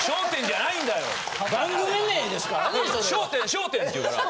笑点！」って言うから。